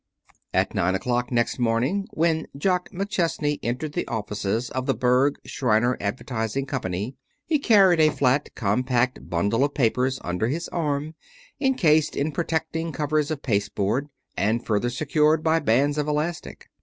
At nine o'clock next morning when Jock McChesney entered the offices of the Berg, Shriner Advertising Company he carried a flat, compact bundle of papers under his arm encased in protecting covers of pasteboard, and further secured by bands of elastic.